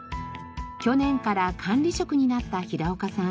去年から管理職になった平岡さん。